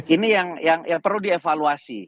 ini yang perlu dievaluasi